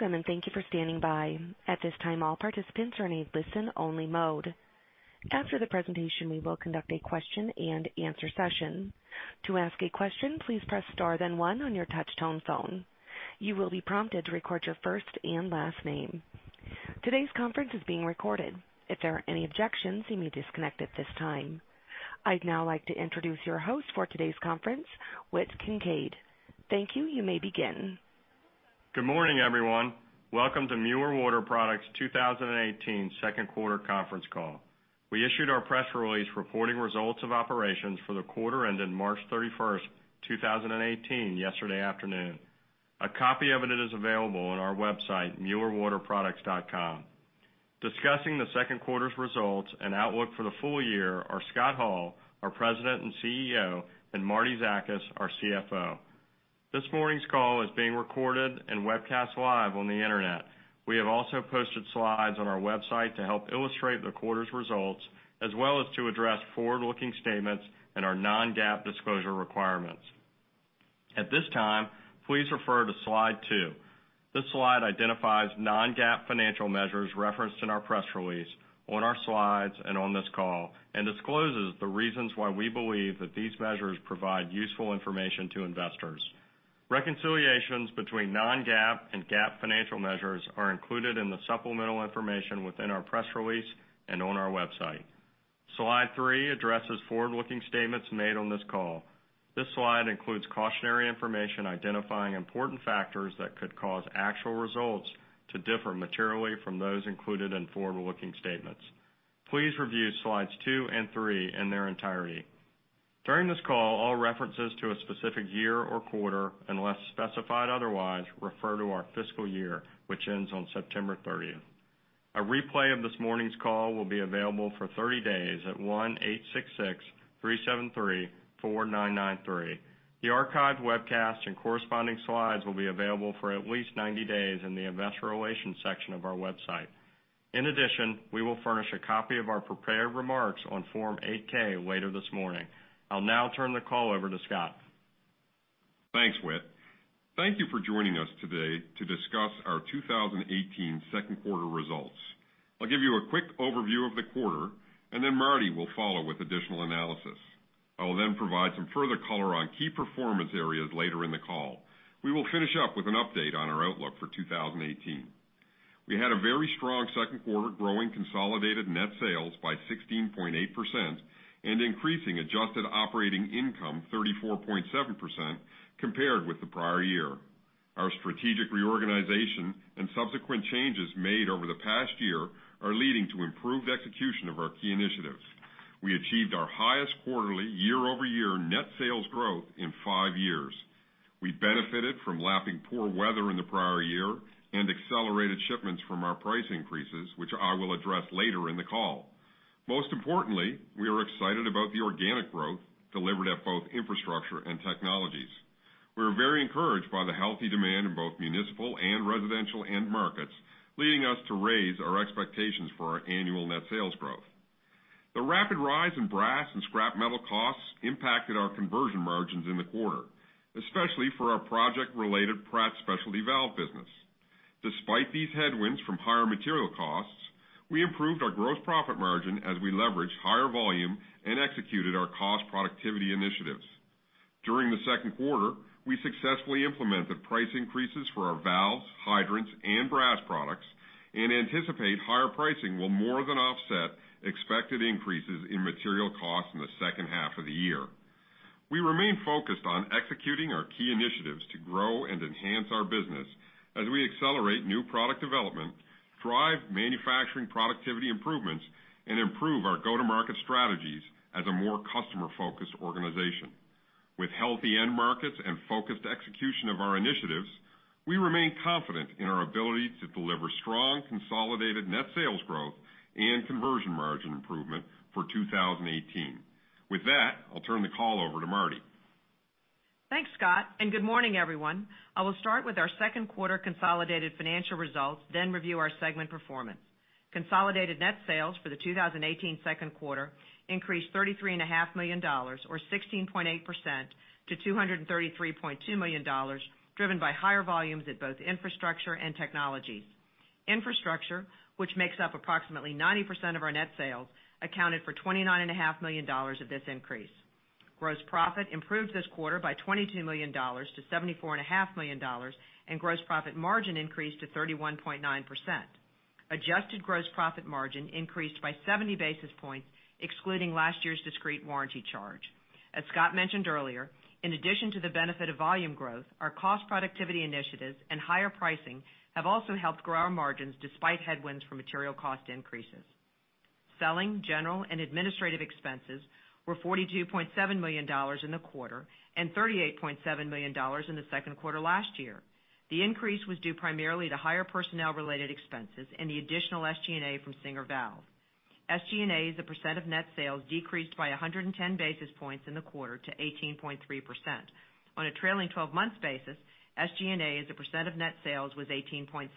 Welcome, and thank you for standing by. At this time, all participants are in a listen-only mode. After the presentation, we will conduct a question-and-answer session. To ask a question, please press star then one on your touch-tone phone. You will be prompted to record your first and last name. Today's conference is being recorded. If there are any objections, you may disconnect at this time. I'd now like to introduce your host for today's conference, Whit Kincaid. Thank you. You may begin. Good morning, everyone. Welcome to Mueller Water Products 2018 second quarter conference call. We issued our press release reporting results of operations for the quarter ended March 31st, 2018, yesterday afternoon. A copy of it is available on our website, muellerwaterproducts.com. Discussing the second quarter's results and outlook for the full year are Scott Hall, our President and CEO, and Marietta Zakas, our CFO. This morning's call is being recorded and webcast live on the Internet. We have also posted slides on our website to help illustrate the quarter's results, as well as to address forward-looking statements and our non-GAAP disclosure requirements. At this time, please refer to Slide two. This slide identifies non-GAAP financial measures referenced in our press release, on our slides, and on this call and discloses the reasons why we believe that these measures provide useful information to investors. Reconciliations between non-GAAP and GAAP financial measures are included in the supplemental information within our press release and on our website. Slide three addresses forward-looking statements made on this call. This slide includes cautionary information identifying important factors that could cause actual results to differ materially from those included in forward-looking statements. Please review Slides two and three in their entirety. During this call, all references to a specific year or quarter, unless specified otherwise, refer to our fiscal year, which ends on September 30th. A replay of this morning's call will be available for 30 days at 1-866-373-4993. The archived webcast and corresponding slides will be available for at least 90 days in the Investor Relations section of our website. In addition, we will furnish a copy of our prepared remarks on Form 8-K later this morning. I'll now turn the call over to Scott. Thanks, Whit. Thank you for joining us today to discuss our 2018 second quarter results. I'll give you a quick overview of the quarter, and then Marty will follow with additional analysis. I will then provide some further color on key performance areas later in the call. We will finish up with an update on our outlook for 2018. We had a very strong second quarter, growing consolidated net sales by 16.8% and increasing adjusted operating income 34.7% compared with the prior year. Our strategic reorganization and subsequent changes made over the past year are leading to improved execution of our key initiatives. We achieved our highest quarterly year-over-year net sales growth in five years. We benefited from lapping poor weather in the prior year and accelerated shipments from our price increases, which I will address later in the call. Most importantly, we are excited about the organic growth delivered at both Infrastructure and Technologies. We are very encouraged by the healthy demand in both municipal and residential end markets, leading us to raise our expectations for our annual net sales growth. The rapid rise in brass and scrap metal costs impacted our conversion margins in the quarter, especially for our project-related Pratt specialty valve business. Despite these headwinds from higher material costs, we improved our gross profit margin as we leveraged higher volume and executed our cost productivity initiatives. During the second quarter, we successfully implemented price increases for our valves, hydrants, and brass products and anticipate higher pricing will more than offset expected increases in material costs in the second half of the year. We remain focused on executing our key initiatives to grow and enhance our business as we accelerate new product development, drive manufacturing productivity improvements, and improve our go-to-market strategies as a more customer-focused organization. With healthy end markets and focused execution of our initiatives, we remain confident in our ability to deliver strong consolidated net sales growth and conversion margin improvement for 2018. With that, I'll turn the call over to Marty. Thanks, Scott, and good morning, everyone. I will start with our second quarter consolidated financial results, then review our segment performance. Consolidated net sales for the 2018 second quarter increased $33.5 million, or 16.8%, to $233.2 million, driven by higher volumes at both Infrastructure and Technology. Infrastructure, which makes up approximately 90% of our net sales, accounted for $29.5 million of this increase. Gross profit improved this quarter by $22 million to $74.5 million, and gross profit margin increased to 31.9%. Adjusted gross profit margin increased by 70 basis points, excluding last year's discrete warranty charge. As Scott mentioned earlier, in addition to the benefit of volume growth, our cost productivity initiatives and higher pricing have also helped grow our margins despite headwinds from material cost increases. Selling, general, and administrative expenses were $42.7 million in the quarter and $38.7 million in the second quarter last year. The increase was due primarily to higher personnel-related expenses and the additional SG&A from Singer Valve. SG&A as a percent of net sales decreased by 110 basis points in the quarter to 18.3%. On a trailing 12-months basis, SG&A as a percent of net sales was 18.7%.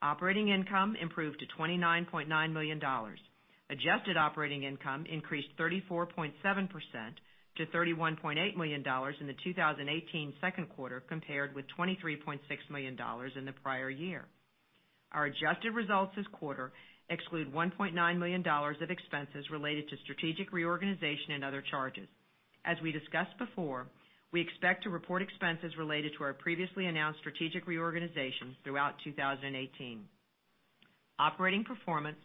Operating income improved to $29.9 million. Adjusted operating income increased 34.7% to $31.8 million in the 2018 second quarter, compared with $23.6 million in the prior year. Our adjusted results this quarter exclude $1.9 million of expenses related to strategic reorganization and other charges. As we discussed before, we expect to report expenses related to our previously announced strategic reorganization throughout 2018. Operating performance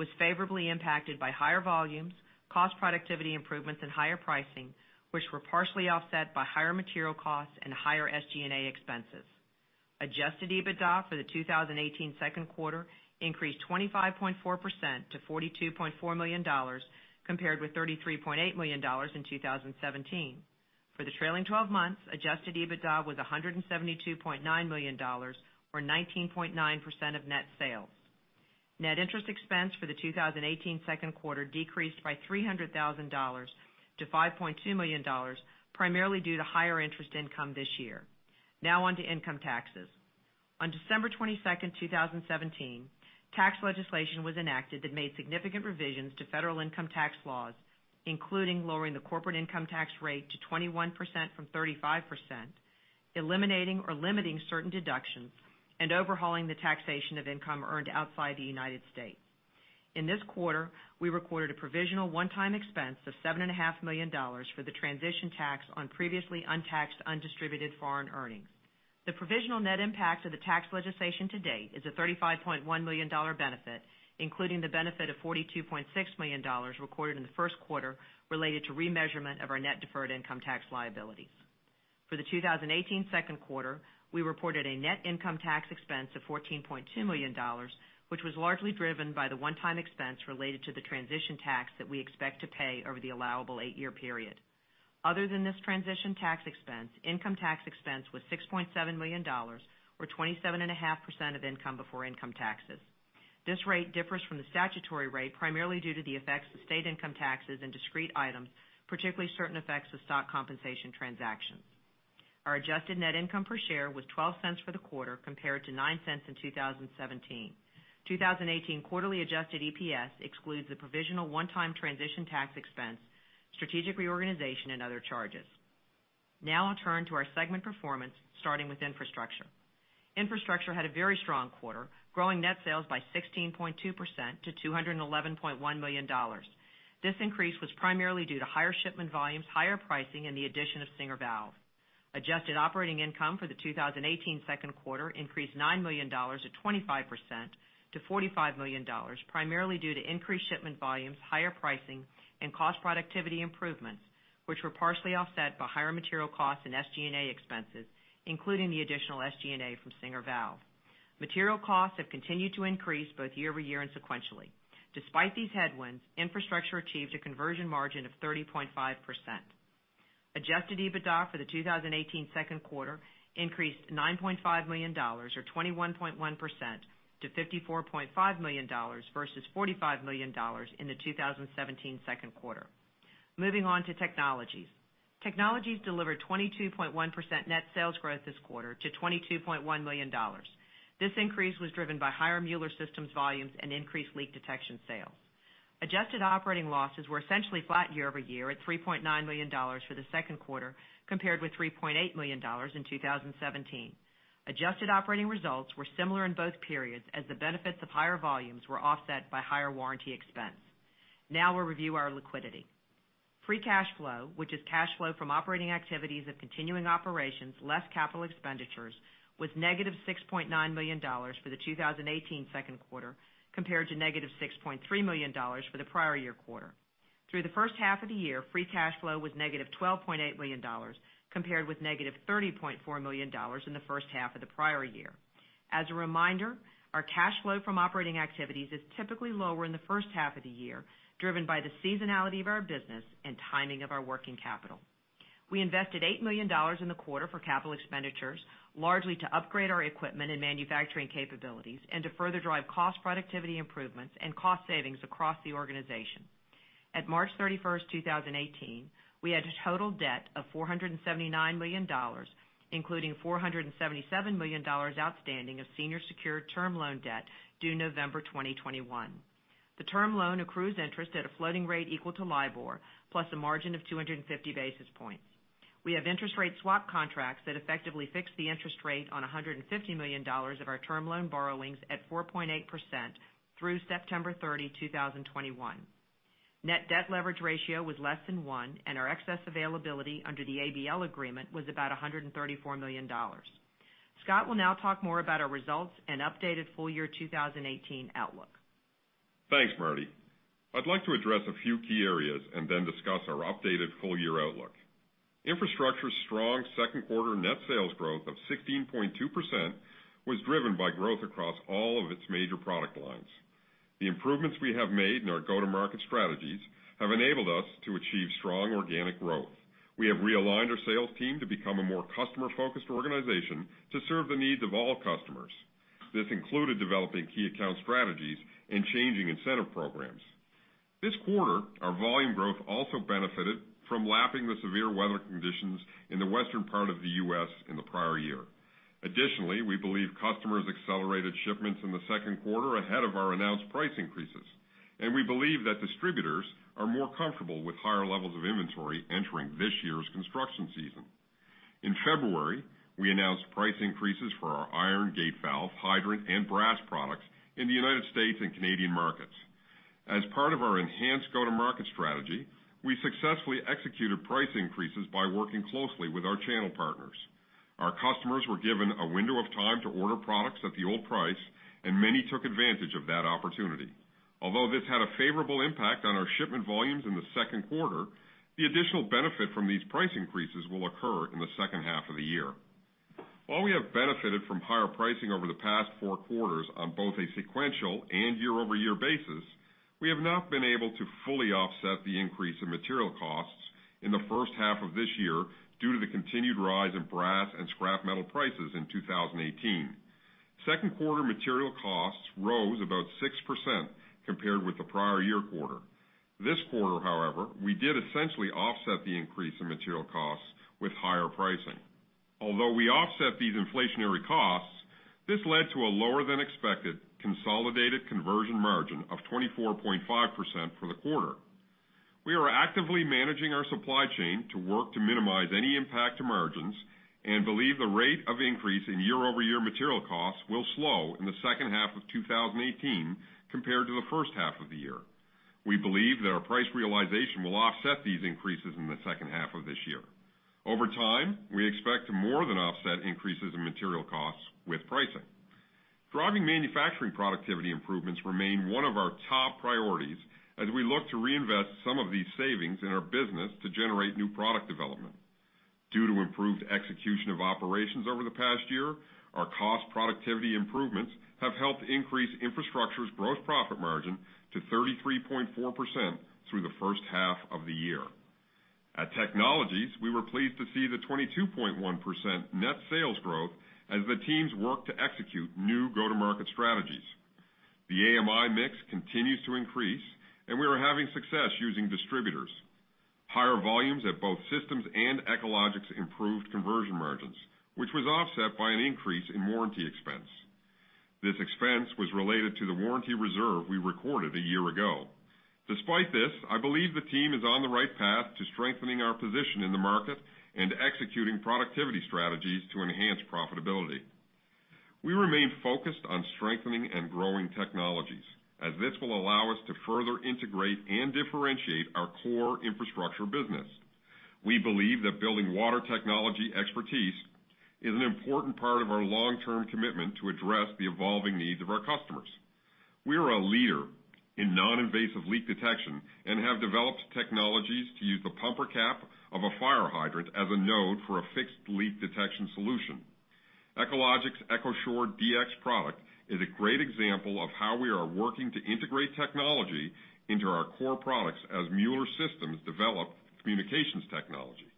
was favorably impacted by higher volumes, cost productivity improvements, and higher pricing, which were partially offset by higher material costs and higher SG&A expenses. Adjusted EBITDA for the 2018 second quarter increased 25.4% to $42.4 million, compared with $33.8 million in 2017. For the trailing 12 months, adjusted EBITDA was $172.9 million, or 19.9% of net sales. Net interest expense for the 2018 second quarter decreased by $300,000 to $5.2 million, primarily due to higher interest income this year. Now on to income taxes. On December 22nd, 2017, tax legislation was enacted that made significant revisions to federal income tax laws, including lowering the corporate income tax rate to 21% from 35%, eliminating or limiting certain deductions, and overhauling the taxation of income earned outside the United States. In this quarter, we recorded a provisional one-time expense of $7.5 million for the transition tax on previously untaxed, undistributed foreign earnings. The provisional net impact of the tax legislation to date is a $35.1 million benefit, including the benefit of $42.6 million recorded in the first quarter related to remeasurement of our net deferred income tax liability. For the 2018 second quarter, we reported a net income tax expense of $14.2 million, which was largely driven by the one-time expense related to the transition tax that we expect to pay over the allowable eight-year period. Other than this transition tax expense, income tax expense was $6.7 million, or 27.5% of income before income taxes. This rate differs from the statutory rate primarily due to the effects of state income taxes and discrete items, particularly certain effects of stock compensation transactions. Our adjusted net income per share was $0.12 for the quarter, compared to $0.09 in 2017. 2018 quarterly adjusted EPS excludes the provisional one-time transition tax expense, strategic reorganization, and other charges. Now I'll turn to our segment performance, starting with Infrastructure. Infrastructure had a very strong quarter, growing net sales by 16.2% to $211.1 million. This increase was primarily due to higher shipment volumes, higher pricing, and the addition of Singer Valve. Adjusted operating income for the 2018 second quarter increased $9 million, or 25%, to $45 million, primarily due to increased shipment volumes, higher pricing, and cost productivity improvements, which were partially offset by higher material costs and SG&A expenses, including the additional SG&A from Singer Valve. Material costs have continued to increase both year-over-year and sequentially. Despite these headwinds, Infrastructure achieved a conversion margin of 30.5%. Adjusted EBITDA for the 2018 second quarter increased $9.5 million, or 21.1%, to $54.5 million versus $45 million in the 2017 second quarter. Moving on to Technologies. Technologies delivered 22.1% net sales growth this quarter to $22.1 million. This increase was driven by higher Mueller Systems volumes and increased leak detection sales. Adjusted operating losses were essentially flat year-over-year at $3.9 million for the second quarter, compared with $3.8 million in 2017. Adjusted operating results were similar in both periods, as the benefits of higher volumes were offset by higher warranty expense. Now we'll review our liquidity. Free cash flow, which is cash flow from operating activities of continuing operations, less capital expenditures, was negative $6.9 million for the 2018 second quarter, compared to negative $6.3 million for the prior year quarter. Through the first half of the year, free cash flow was negative $12.8 million, compared with negative $30.4 million in the first half of the prior year. As a reminder, our cash flow from operating activities is typically lower in the first half of the year, driven by the seasonality of our business and timing of our working capital. We invested $8 million in the quarter for capital expenditures, largely to upgrade our equipment and manufacturing capabilities and to further drive cost productivity improvements and cost savings across the organization. At March 31st, 2018, we had a total debt of $479 million, including $477 million outstanding of senior secured term loan debt due November 2021. The term loan accrues interest at a floating rate equal to LIBOR, plus a margin of 250 basis points. We have interest rate swap contracts that effectively fix the interest rate on $150 million of our term loan borrowings at 4.8% through September 30, 2021. Net debt leverage ratio was less than one. Our excess availability under the ABL agreement was about $134 million. Scott will now talk more about our results and updated full-year 2018 outlook. Thanks, Marty. I'd like to address a few key areas and then discuss our updated full-year outlook. Infrastructure's strong second quarter net sales growth of 16.2% was driven by growth across all of its major product lines. The improvements we have made in our go-to-market strategies have enabled us to achieve strong organic growth. We have realigned our sales team to become a more customer-focused organization to serve the needs of all customers. This included developing key account strategies and changing incentive programs. This quarter, our volume growth also benefited from lapping the severe weather conditions in the western part of the U.S. in the prior year. Additionally, we believe customers accelerated shipments in the second quarter ahead of our announced price increases. We believe that distributors are more comfortable with higher levels of inventory entering this year's construction season. In February, we announced price increases for our iron gate valve, hydrant, and brass products in the United States and Canadian markets. As part of our enhanced go-to-market strategy, we successfully executed price increases by working closely with our channel partners. Our customers were given a window of time to order products at the old price. Many took advantage of that opportunity. This had a favorable impact on our shipment volumes in the second quarter, the additional benefit from these price increases will occur in the second half of the year. While we have benefited from higher pricing over the past four quarters on both a sequential and year-over-year basis, we have not been able to fully offset the increase in material costs in the first half of this year due to the continued rise in brass and scrap metal prices in 2018. Second quarter material costs rose about 6% compared with the prior year quarter. This quarter, however, we did essentially offset the increase in material costs with higher pricing. Although we offset these inflationary costs, this led to a lower-than-expected consolidated conversion margin of 24.5% for the quarter. We are actively managing our supply chain to work to minimize any impact to margins and believe the rate of increase in year-over-year material costs will slow in the second half of 2018 compared to the first half of the year. We believe that our price realization will offset these increases in the second half of this year. Over time, we expect to more than offset increases in material costs with pricing. Driving manufacturing productivity improvements remain one of our top priorities as we look to reinvest some of these savings in our business to generate new product development. Due to improved execution of operations over the past year, our cost productivity improvements have helped increase Infrastructure's gross profit margin to 33.4% through the first half of the year. At Technologies, we were pleased to see the 22.1% net sales growth as the teams work to execute new go-to-market strategies. The AMI mix continues to increase, and we are having success using distributors. Higher volumes at both Mueller Systems and Echologics improved conversion margins, which was offset by an increase in warranty expense. This expense was related to the warranty reserve we recorded a year ago. Despite this, I believe the team is on the right path to strengthening our position in the market and executing productivity strategies to enhance profitability. We remain focused on strengthening and growing technologies, as this will allow us to further integrate and differentiate our core infrastructure business. We believe that building water technology expertise is an important part of our long-term commitment to address the evolving needs of our customers. We are a leader in non-invasive leak detection and have developed technologies to use the pumper cap of a fire hydrant as a node for a fixed leak detection solution. Echologics' EchoShore-DX product is a great example of how we are working to integrate technology into our core products as Mueller Systems develop communications technology.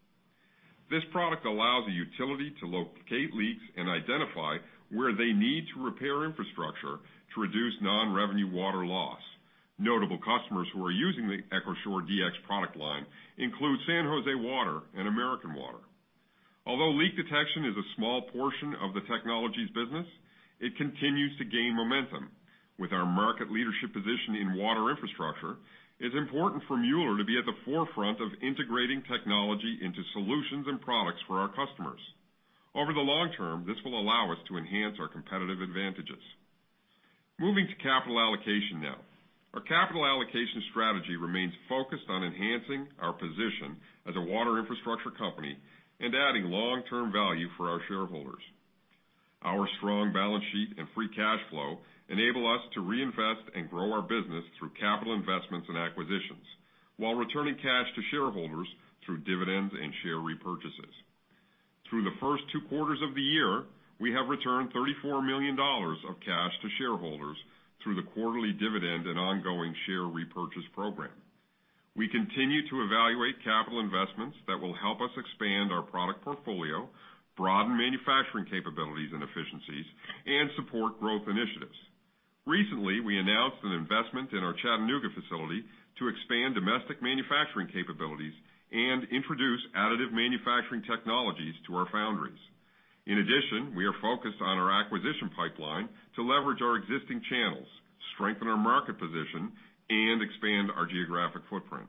This product allows a utility to locate leaks and identify where they need to repair infrastructure to reduce non-revenue water loss. Notable customers who are using the EchoShore-DX product line include San Jose Water and American Water. Although leak detection is a small portion of the technologies business, it continues to gain momentum. With our market leadership position in water infrastructure, it's important for Mueller to be at the forefront of integrating technology into solutions and products for our customers. Over the long term, this will allow us to enhance our competitive advantages. Moving to capital allocation now. Our capital allocation strategy remains focused on enhancing our position as a water infrastructure company and adding long-term value for our shareholders. Our strong balance sheet and free cash flow enable us to reinvest and grow our business through capital investments and acquisitions while returning cash to shareholders through dividends and share repurchases. Through the first two quarters of the year, we have returned $34 million of cash to shareholders through the quarterly dividend and ongoing share repurchase program. We continue to evaluate capital investments that will help us expand our product portfolio, broaden manufacturing capabilities and efficiencies, and support growth initiatives. Recently, we announced an investment in our Chattanooga facility to expand domestic manufacturing capabilities and introduce additive manufacturing technologies to our foundries. In addition, we are focused on our acquisition pipeline to leverage our existing channels, strengthen our market position, and expand our geographic footprint.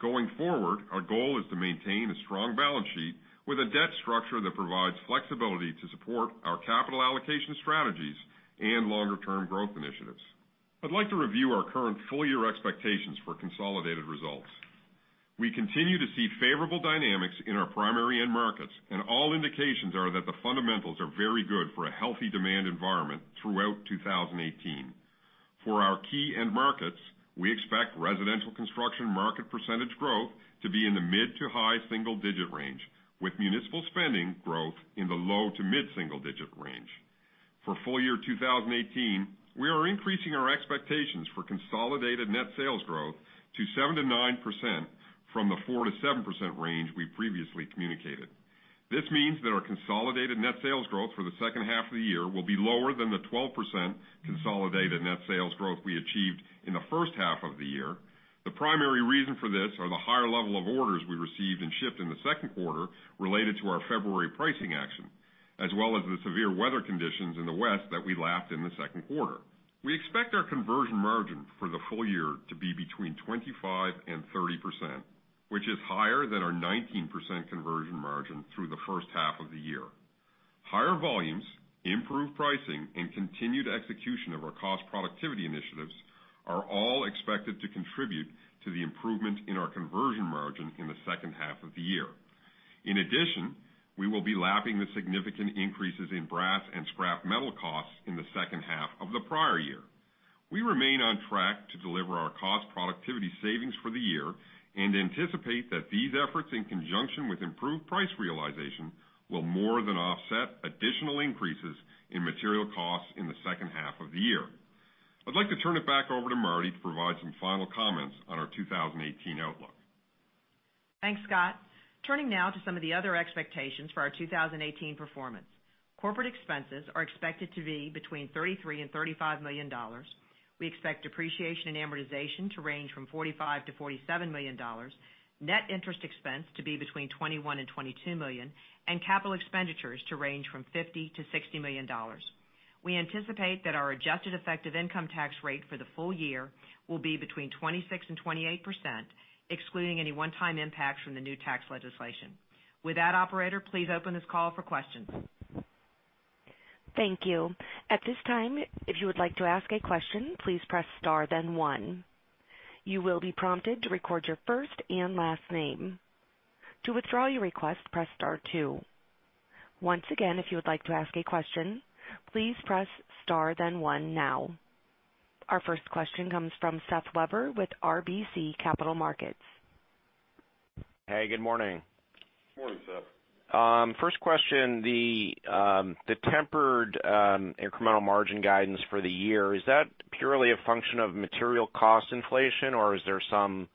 Going forward, our goal is to maintain a strong balance sheet with a debt structure that provides flexibility to support our capital allocation strategies and longer-term growth initiatives. I'd like to review our current full-year expectations for consolidated results. We continue to see favorable dynamics in our primary end markets, and all indications are that the fundamentals are very good for a healthy demand environment throughout 2018. For our key end markets, we expect residential construction market percentage growth to be in the mid to high single-digit range, with municipal spending growth in the low to mid-single-digit range. For full year 2018, we are increasing our expectations for consolidated net sales growth to 7%-9% from the 4%-7% range we previously communicated. This means that our consolidated net sales growth for the second half of the year will be lower than the 12% consolidated net sales growth we achieved in the first half of the year. The primary reason for this are the higher level of orders we received and shipped in the second quarter related to our February pricing action, as well as the severe weather conditions in the West that we lapped in the second quarter. Higher volumes, improved pricing, and continued execution of our cost productivity initiatives are all expected to contribute to the improvement in our conversion margin in the second half of the year. In addition, we will be lapping the significant increases in brass and scrap metal costs in the second half of the prior year. We remain on track to deliver our cost productivity savings for the year, and anticipate that these efforts, in conjunction with improved price realization, will more than offset additional increases in material costs in the second half of the year. I'd like to turn it back over to Marti to provide some final comments on our 2018 outlook. Thanks, Scott. Turning now to some of the other expectations for our 2018 performance. Corporate expenses are expected to be between $33 million and $35 million. We expect depreciation and amortization to range from $45 million-$47 million, net interest expense to be between $21 million and $22 million, and capital expenditures to range from $50 million-$60 million. We anticipate that our adjusted effective income tax rate for the full year will be between 26% and 28%, excluding any one-time impacts from the new tax legislation. With that, operator, please open this call for questions. Thank you. At this time, if you would like to ask a question, please press star then one. You will be prompted to record your first and last name. To withdraw your request, press star two. Once again, if you would like to ask a question, please press star then one now. Our first question comes from Seth Weber with RBC Capital Markets. Hey, good morning. Morning, Seth. First question, the tempered incremental margin guidance for the year, is that purely a function of material cost inflation, or is there some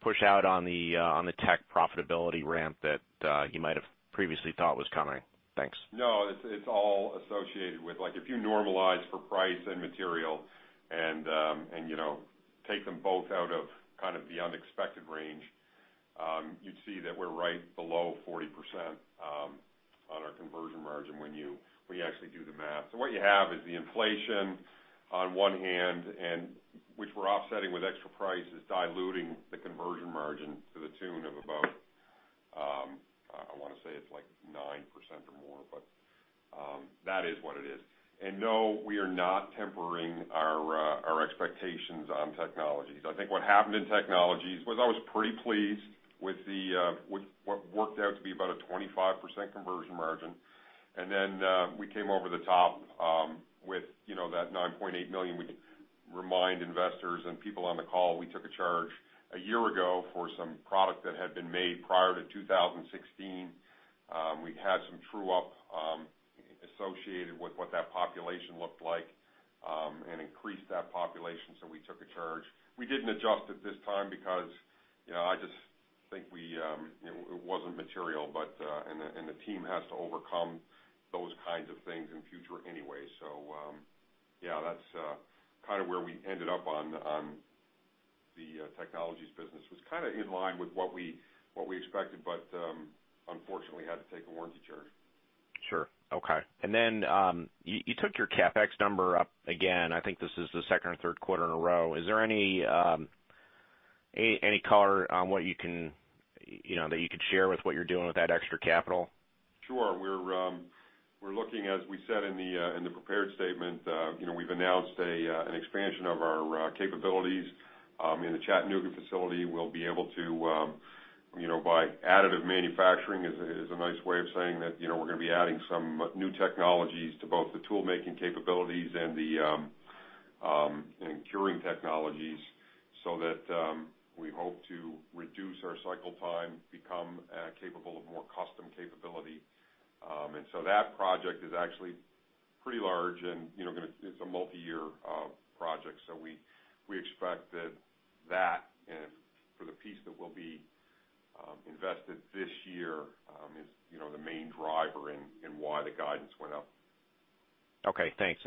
push-out on the tech profitability ramp that you might have previously thought was coming? Thanks. It's all associated with, if you normalize for price and material and take them both out of the unexpected range, you'd see that we're right below 40% on our conversion margin when you actually do the math. What you have is the inflation on one hand, which we're offsetting with extra prices, diluting the conversion margin to the tune of about, I want to say it's 9% or more, but that is what it is. No, we are not tempering our expectations on technologies. I think what happened in technologies was I was pretty pleased with what worked out to be about a 25% conversion margin. We came over the top with that $9.8 million. We remind investors and people on the call, we took a charge a year ago for some product that had been made prior to 2016. We had some true-up associated with what that population looked like and increased that population, so we took a charge. We didn't adjust at this time because I just think it wasn't material, and the team has to overcome those kinds of things in future anyway. Yeah, that's where we ended up on the technologies business. It was in line with what we expected, but unfortunately, had to take a warranty charge. Sure. Okay. You took your CapEx number up again. I think this is the second or third quarter in a row. Is there any color on what you can share with what you're doing with that extra capital? Sure. We're looking, as we said in the prepared statement, we've announced an expansion of our capabilities in the Chattanooga facility. We'll be able to, by additive manufacturing, is a nice way of saying that we're going to be adding some new technologies to both the toolmaking capabilities and the curing technologies so that we hope to reduce our cycle time, become capable of more custom capability. That project is actually pretty large, and it's a multi-year project. We expect that that, and for the piece that will be invested this year, is the main driver in why the guidance went up. Okay, thanks.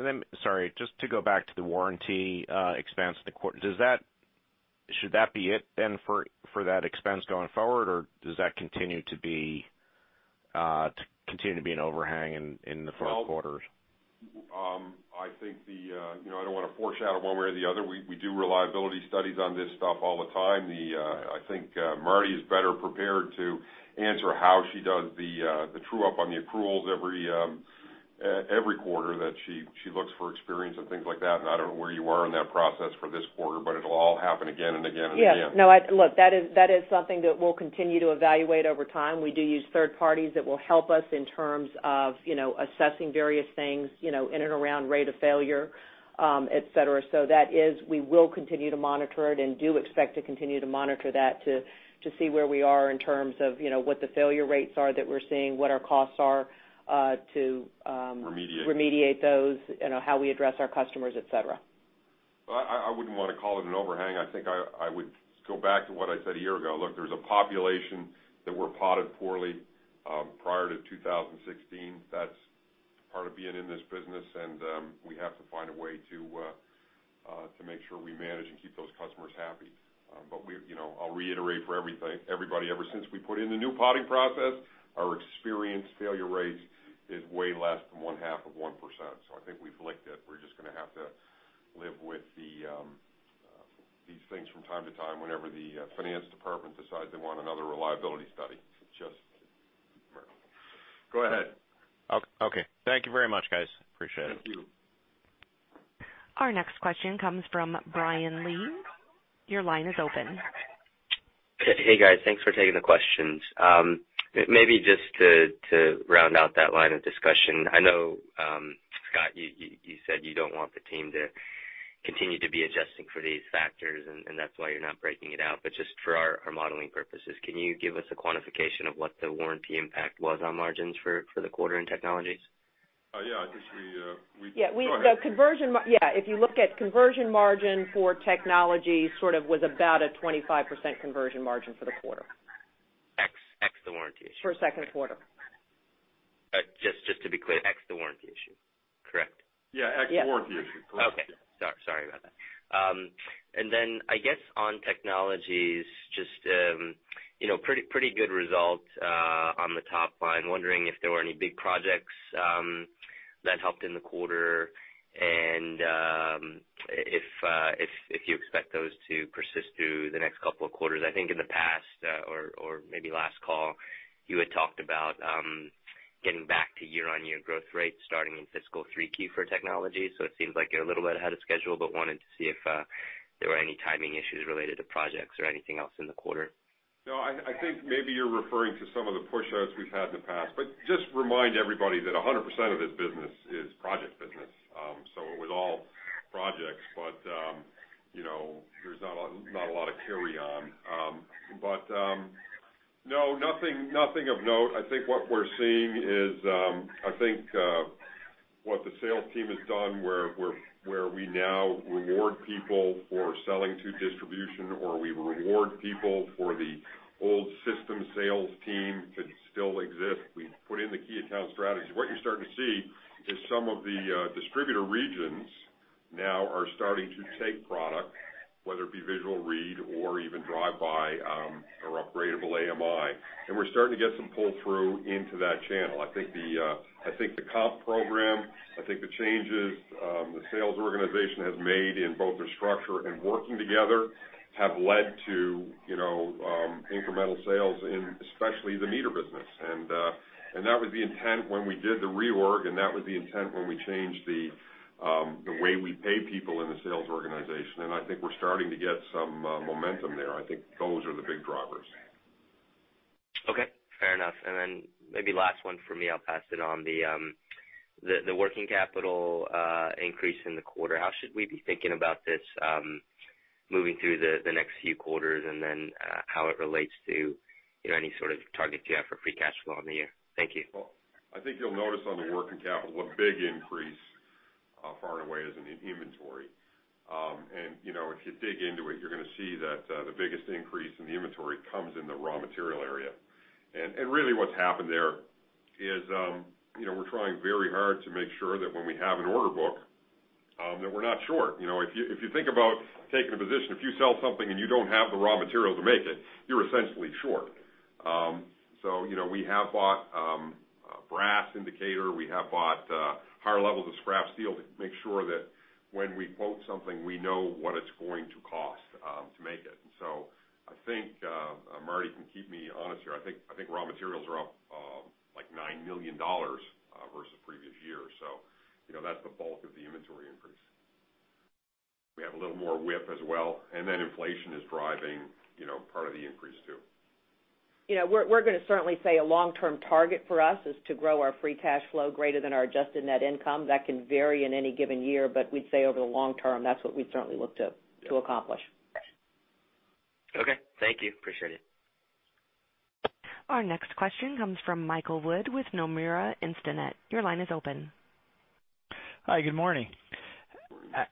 Sorry, just to go back to the warranty expense, should that be it for that expense going forward, or does that continue to be an overhang in the front quarters? I don't want to foreshadow one way or the other. We do reliability studies on this stuff all the time. I think Marti is better prepared to answer how she does the true-up on the accruals every quarter that she looks for experience and things like that. I don't know where you are in that process for this quarter, but it'll all happen again and again and again. Yeah. No, look, that is something that we'll continue to evaluate over time. We do use third parties that will help us in terms of assessing various things in and around rate of failure, et cetera. We will continue to monitor it and do expect to continue to monitor that to see where we are in terms of what the failure rates are that we're seeing, what our costs are to- Remediate remediate those, how we address our customers, et cetera. Well, I wouldn't want to call it an overhang. I think I would go back to what I said a year ago. Look, there's a population that were potted poorly prior to 2016. That's part of being in this business, and we have to find a way to make sure we manage and keep those customers happy. I'll reiterate for everybody, ever since we put in the new potting process, our experience failure rates is way less than one half of 1%. I think we've licked it. We're just going to have to live with these things from time to time whenever the finance department decides they want another reliability study. Go ahead. Okay. Thank you very much, guys. Appreciate it. Thank you. Our next question comes from Bryan Blair. Your line is open. Hey, guys. Thanks for taking the questions. Maybe just to round out that line of discussion, I know, Scott, you said you don't want the team to continue to be adjusting for these factors, and that's why you're not breaking it out. Just for our modeling purposes, can you give us a quantification of what the warranty impact was on margins for the quarter and technologies? Yeah, I think. Yeah. Go ahead. If you look at conversion margin for technology, sort of was about a 25% conversion margin for the quarter. Ex the warranty issue? For second quarter. Just to be clear, ex the warranty issue. Correct? Yeah. Ex warranty issue. Correct. Okay. Sorry about that. I guess, on technologies, just pretty good results on the top line. Wondering if there were any big projects that helped in the quarter and if you expect those to persist through the next couple of quarters. I think in the past, or maybe last call, you had talked about getting back to year-on-year growth rates starting in fiscal 3Q for technology. It seems like you're a little bit ahead of schedule, but wanted to see if there were any timing issues related to projects or anything else in the quarter. No, I think maybe you're referring to some of the pushouts we've had in the past. Just remind everybody that 100% of this business is project business. It was all projects, but there's not a lot of carry on. No, nothing of note. I think what we're seeing is, I think, what the sales team has done, where we now reward people for selling to distribution, or we reward people for the old system sales team to still exist. We put in the key account strategy. What you're starting to see is some of the distributor regions now are starting to take product, whether it be visual read or even drive-by or upgradeable AMI, and we're starting to get some pull-through into that channel. I think the comp program, the changes the sales organization has made in both their structure and working together have led to incremental sales in especially the meter business. That was the intent when we did the reorg, and that was the intent when we changed the way we pay people in the sales organization, and I think we're starting to get some momentum there. I think those are the big drivers. Okay, fair enough. Maybe last one from me, I'll pass it on. The working capital increase in the quarter, how should we be thinking about this moving through the next few quarters, and then how it relates to any sort of targets you have for free cash flow in the year? Thank you. Well, I think you'll notice on the working capital, a big increase far and away is in the inventory. If you dig into it, you're going to see that the biggest increase in the inventory comes in the raw material area. Really what's happened there is we're trying very hard to make sure that when we have an order book, that we're not short. If you think about taking a position, if you sell something and you don't have the raw material to make it, you're essentially short. We have bought brass ingot. We have bought higher levels of scrap steel to make sure that when we quote something, we know what it's going to cost to make it. I think Martie can keep me honest here. I think raw materials are up, like $9 million versus previous year. That's the bulk of the inventory increase. We have a little more WIP as well, and then inflation is driving part of the increase, too. We're going to certainly say a long-term target for us is to grow our free cash flow greater than our adjusted net income. That can vary in any given year, but we'd say over the long term, that's what we'd certainly look to accomplish. Okay. Thank you. Appreciate it. Our next question comes from Michael Wood with Nomura Instinet. Your line is open. Hi, good morning.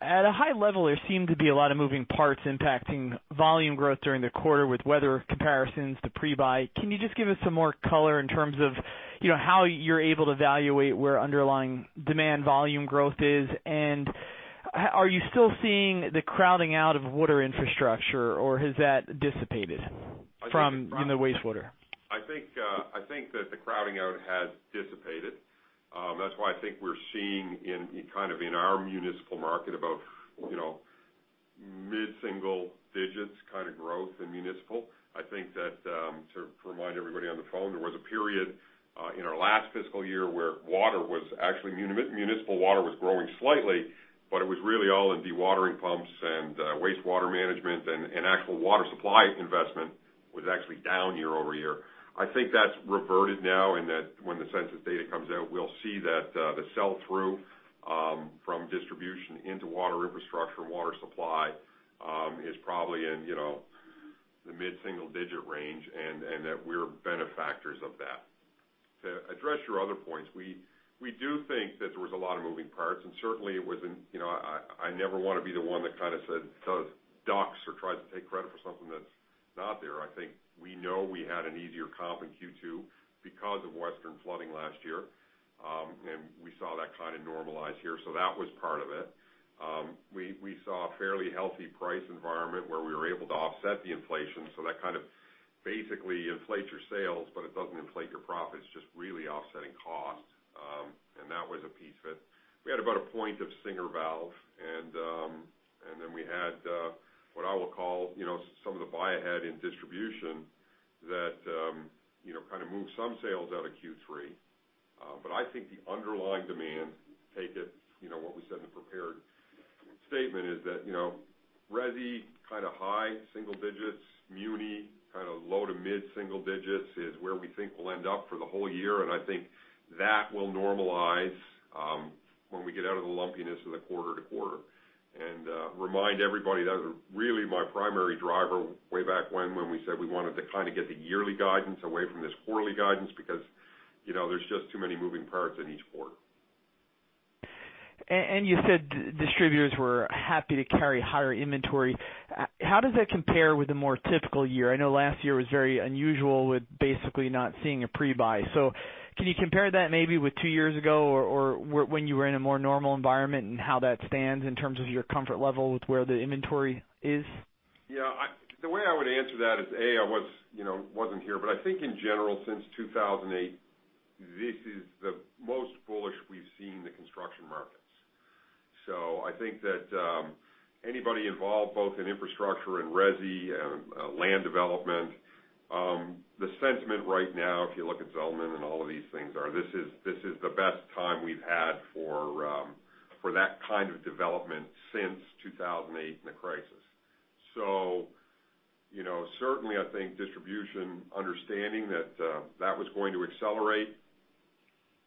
At a high level, there seemed to be a lot of moving parts impacting volume growth during the quarter with weather comparisons to pre-buy. Can you just give us some more color in terms of how you're able to evaluate where underlying demand volume growth is? Are you still seeing the crowding out of water infrastructure, or has that dissipated from in the wastewater? I think that the crowding out has dissipated. That's why I think we're seeing in our municipal market about mid-single digits kind of growth in municipal. I think that to remind everybody on the phone, there was a period in our last fiscal year where municipal water was growing slightly, but it was really all in dewatering pumps and wastewater management, and actual water supply investment was actually down year-over-year. That's reverted now, when the census data comes out, we'll see that the sell-through from distribution into water infrastructure and water supply is probably in the mid-single-digit range, that we're benefactors of that. To address your other points, we do think that there was a lot of moving parts, certainly, I never want to be the one that kind of ducks or tries to take credit for something that's not there. I think we know we had an easier comp in Q2 because of western flooding last year, we saw that kind of normalize here. That was part of it. We saw a fairly healthy price environment where we were able to offset the inflation. That kind of basically inflates your sales, but it doesn't inflate your profits, just really offsetting cost. That was a piece of it. We had about a point of Singer Valve, we had, what I will call, some of the buy-ahead in distribution that kind of moved some sales out of Q3. I think the underlying demand, take it, what we said in the prepared statement is that resi, kind of high single digits, muni, kind of low to mid single digits is where we think we'll end up for the whole year. I think that will normalize when we get out of the lumpiness of the quarter-to-quarter. Remind everybody, that was really my primary driver way back when we said we wanted to kind of get the yearly guidance away from this quarterly guidance because there's just too many moving parts in each quarter. You said distributors were happy to carry higher inventory. How does that compare with a more typical year? I know last year was very unusual with basically not seeing a pre-buy. Can you compare that maybe with two years ago or when you were in a more normal environment and how that stands in terms of your comfort level with where the inventory is? Yeah. The way I would answer that is, A, I wasn't here, I think in general since 2008, this is the most bullish we've seen the construction markets. I think that anybody involved both in infrastructure and resi and land development, the sentiment right now if you look at Zelman and all of these things are, this is the best time we've had for that kind of development since 2008 and the crisis. Certainly I think distribution understanding that that was going to accelerate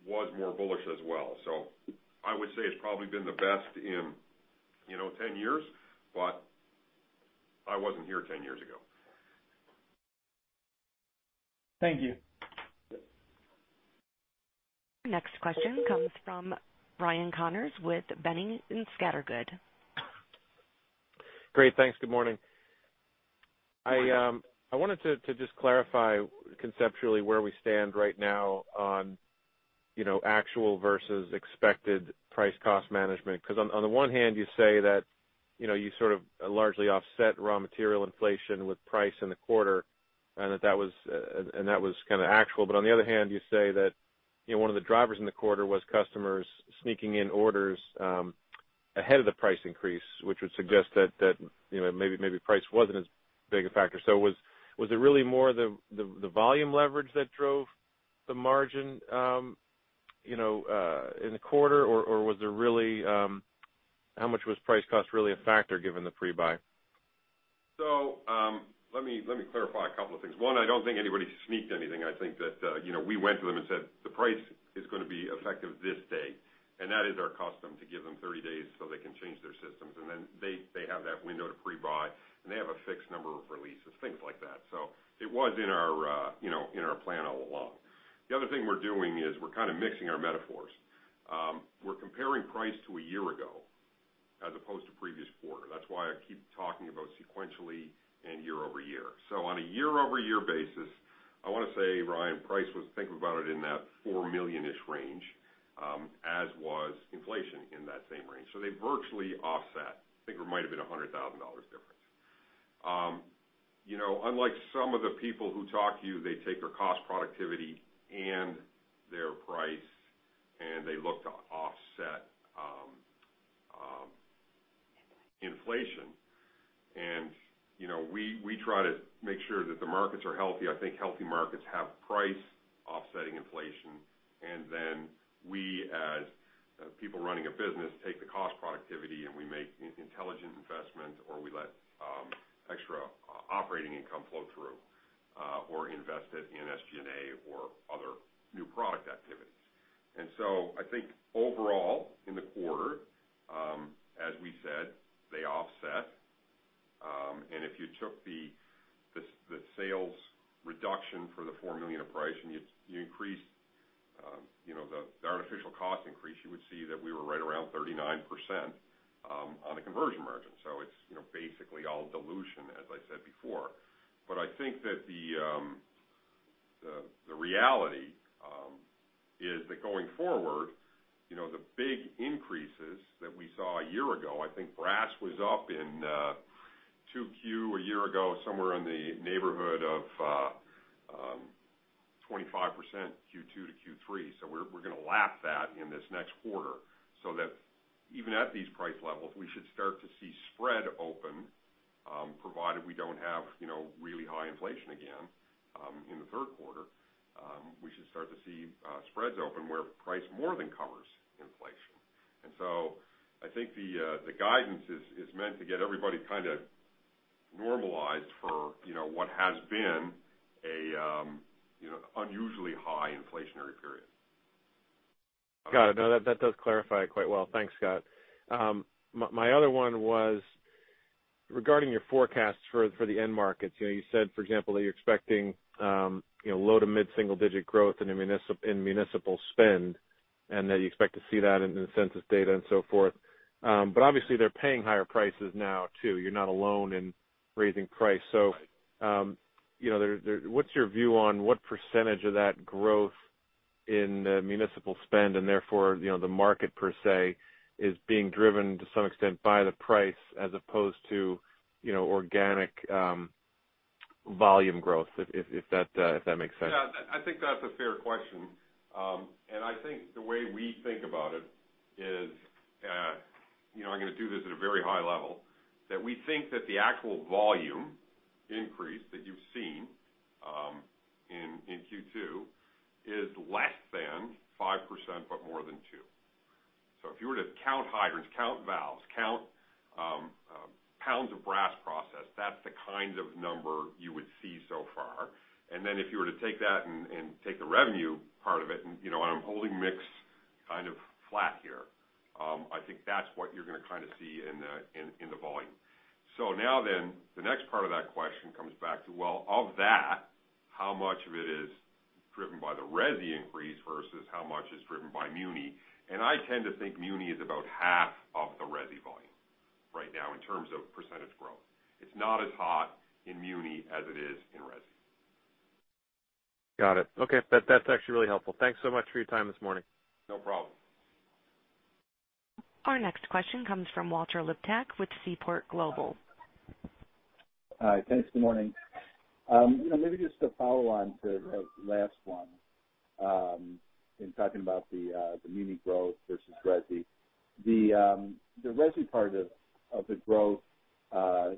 was more bullish as well. I would say it's probably been the best in 10 years, but I wasn't here 10 years ago. Thank you. Next question comes from Ryan Connors with Boenning & Scattergood. Great. Thanks. Good morning. Good morning. I wanted to just clarify conceptually where we stand right now on actual versus expected price cost management. On the one hand, you say that you sort of largely offset raw material inflation with price in the quarter, and that was kind of actual. On the other hand, you say that one of the drivers in the quarter was customers sneaking in orders ahead of the price increase, which would suggest that maybe price wasn't as big a factor. Was it really more the volume leverage that drove the margin in the quarter, or how much was price cost really a factor given the pre-buy? Let me clarify a couple of things. One, I don't think anybody sneaked anything. I think that we went to them and said, "The price is going to be effective this day." That is our custom to give them 30 days so they can change their systems. Then they have that window to pre-buy, and they have a fixed number of releases, things like that. It was in our plan all along. The other thing we're doing is we're kind of mixing our metaphors. We're comparing price to a year ago as opposed to previous quarter. That's why I keep talking about sequentially and year-over-year. On a year-over-year basis, I want to say, Ryan, price was, think about it in that $4 million-ish range, as was inflation in that same range. They virtually offset. I think it might have been $100,000 difference. Unlike some of the people who talk to you, they take their cost productivity and their price, and they look to offset inflation. We try to make sure that the markets are healthy. I think healthy markets have price offsetting inflation, then we, as people running a business, take the cost productivity, and we make intelligent investments, or we let extra operating income flow through, or invest it in SG&A or other new product activities. I think overall in the quarter, as we said, they offset. If you took the sales reduction for the $4 million of price and you increased the artificial cost increase, you would see that we were right around 39% on a conversion margin. It's basically all dilution, as I said before. I think that the reality is that going forward, the big increases that we saw a year ago, I think brass was up in 2Q a year ago, somewhere in the neighborhood of 25% Q2 to Q3. We're going to lap that in this next quarter, so that even at these price levels, we should start to see spread open, provided we don't have really high inflation again in the third quarter. We should start to see spreads open where price more than covers inflation. I think the guidance is meant to get everybody kind of normalized for what has been an unusually high inflationary period. Got it. That does clarify it quite well. Thanks, Scott. My other one was regarding your forecasts for the end markets. You said, for example, that you're expecting low to mid-single-digit growth in municipal spend, and that you expect to see that in the census data and so forth. Obviously they're paying higher prices now too. You're not alone in raising price. What's your view on what percentage of that growth in municipal spend, and therefore, the market per se, is being driven, to some extent, by the price as opposed to organic volume growth, if that makes sense. Yeah. I think that's a fair question. I think the way we think about it is, I'm going to do this at a very high level, that we think that the actual volume increase that you've seen in Q2 is less than 5%, but more than two. If you were to count hydrants, count valves, count pounds of brass processed, that's the kind of number you would see so far. Then if you were to take that and take the revenue part of it, and I'm holding mix kind of flat here, I think that's what you're going to kind of see in the volume. Now then, the next part of that question comes back to, well, of that, how much of it is driven by the resi increase versus how much is driven by muni? I tend to think muni is about half of the resi volume right now, in terms of percentage growth. It's not as hot in muni as it is in resi. Got it. Okay. That's actually really helpful. Thanks so much for your time this morning. No problem. Our next question comes from Walt Liptak with Seaport Global. Hi. Thanks. Good morning. Maybe just to follow on to the last one, in talking about the muni growth versus resi. The resi part of the growth, was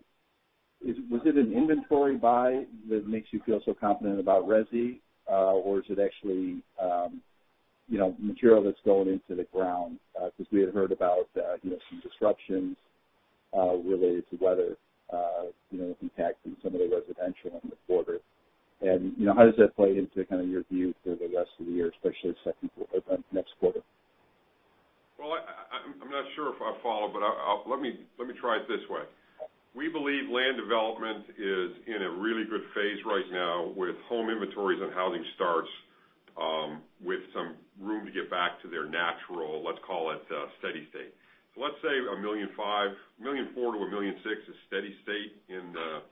it an inventory buy that makes you feel so confident about resi? Or is it actually material that's going into the ground? Because we had heard about some disruptions, related to weather, impacting some of the residential in the quarter. How does that play into kind of your view for the rest of the year, especially next quarter? Well, I'm not sure if I follow, let me try it this way. We believe land development is in a really good phase right now with home inventories and housing starts, with some room to get back to their natural, let's call it, steady state. Let's say 1.5 million, 1.4 million-1.6 million is steady state in the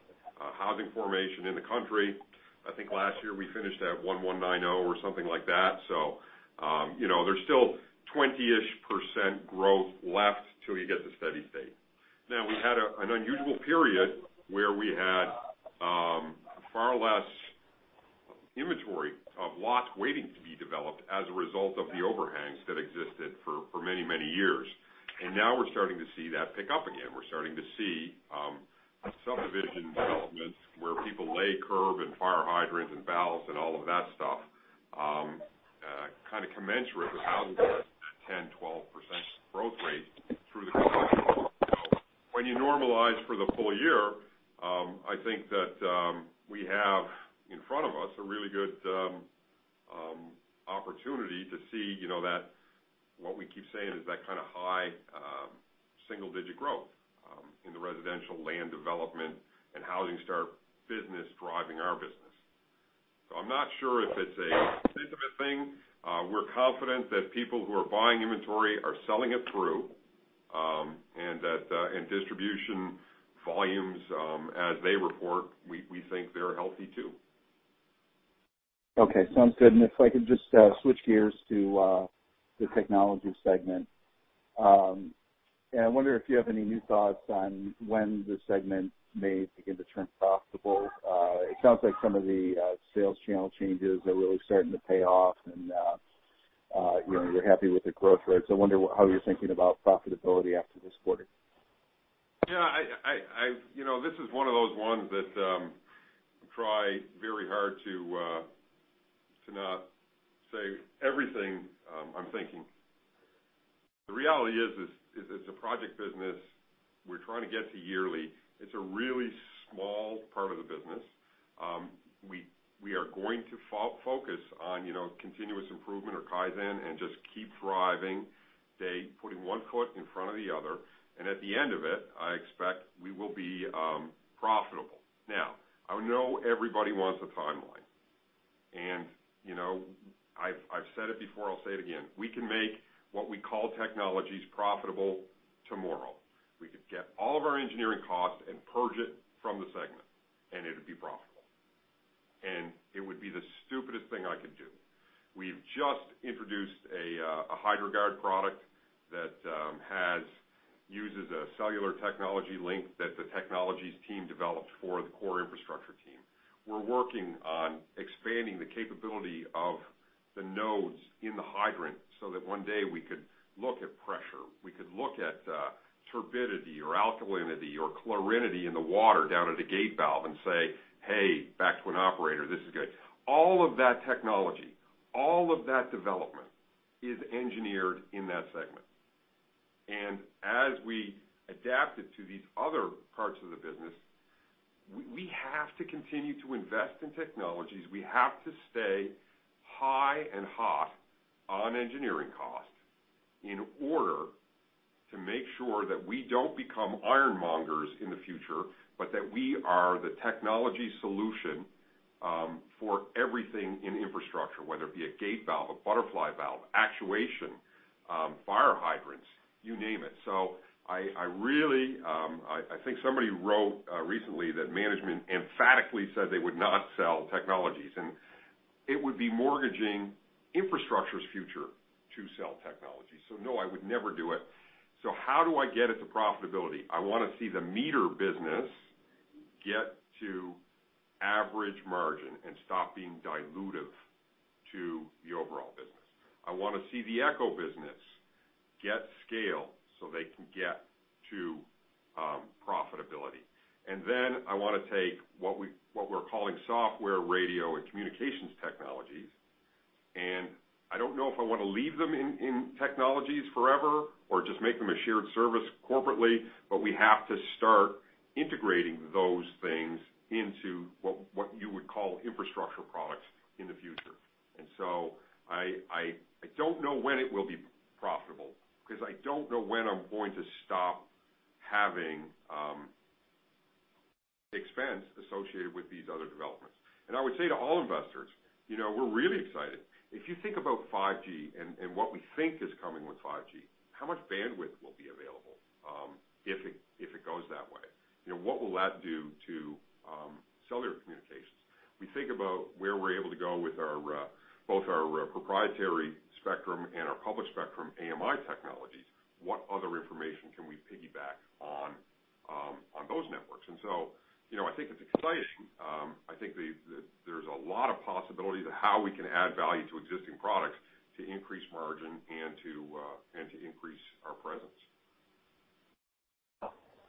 housing formation in the country. I think last year we finished at 1,190 or something like that. There's still 20-ish% growth left till you get to steady state. Now, we had an unusual period where we had far less inventory of lots waiting to be developed as a result of the overhangs that existed for many, many years. Now we're starting to see that pick up again. We're starting to see subdivision developments where people lay curb and fire hydrants and valves and all of that stuff, kind of commensurate with housing 10%-12% growth rate through the. When you normalize for the full year, I think that we have in front of us a really good opportunity to see what we keep saying is that kind of high, single-digit growth in the residential land development and housing start business driving our business. I'm not sure if it's a sentiment thing. We're confident that people who are buying inventory are selling it through, and distribution volumes, as they report, we think they're healthy too. Okay, sounds good. If I could just switch gears to the Technologies segment. I wonder if you have any new thoughts on when this segment may begin to turn profitable. It sounds like some of the sales channel changes are really starting to pay off and you're happy with the growth rates. I wonder how you're thinking about profitability after this quarter. Yeah, this is one of those ones that I try very hard to not say everything I'm thinking. The reality is, it's a project business we're trying to get to yearly. It's a really small part of the business. We are going to focus on continuous improvement or Kaizen and just keep thriving, putting one foot in front of the other, and at the end of it, I expect we will be profitable. Now, I know everybody wants a timeline. I've said it before, I'll say it again. We can make what we call Technologies profitable tomorrow. We could get all of our engineering costs and purge it from the segment, and it would be profitable. It would be the stupidest thing I could do. We've just introduced a Hydro-Guard product that uses a cellular technology link that the Technologies team developed for the core infrastructure team. We're working on expanding the capability of the nodes in the hydrant so that one day we could look at pressure, we could look at turbidity or alkalinity or chlorinity in the water down at a gate valve and say, "Hey," back to an operator, "This is good." All of that technology, all of that development is engineered in that segment. As we adapted to these other parts of the business, we have to continue to invest in Technologies. We have to stay high and hot on engineering costs in order to make sure that we don't become iron mongers in the future, but that we are the technology solution for everything in infrastructure, whether it be a gate valve, a butterfly valve, actuation, fire hydrants, you name it. I think somebody wrote recently that management emphatically said they would not sell Technologies, and it would be mortgaging infrastructure's future to sell technology. No, I would never do it. How do I get it to profitability? I want to see the meter business get to average margin and stop being dilutive to the overall business. I want to see the Echo business get scale so they can get to profitability. Then I want to take what we're calling software, radio, and communications Technologies, and I don't know if I want to leave them in Technologies forever or just make them a shared service corporately, but we have to start integrating those things into what you would call infrastructure products in the future. I don't know when it will be profitable, because I don't know when I'm going to stop having expense associated with these other developments. I would say to all investors, we're really excited. If you think about 5G and what we think is coming with 5G, how much bandwidth will be available, if it goes that way? What will that do to cellular communications? We think about where we're able to go with both our proprietary spectrum and our public spectrum AMI technologies, what other information can we piggyback on those networks? I think it's exciting. I think there's a lot of possibility to how we can add value to existing products to increase margin and to increase our presence.